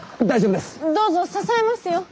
どうぞ支えますよ。